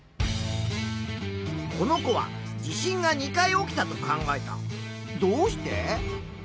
この子は地震が２回起きたと考えた。